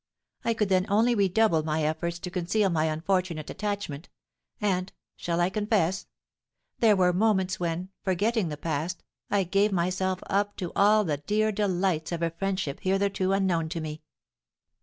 I could then only redouble my efforts to conceal my unfortunate attachment, and shall I confess? there were moments when, forgetting the past, I gave myself up to all the dear delights of a friendship hitherto unknown to me.